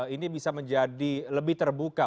ini bisa menjadi lebih terbuka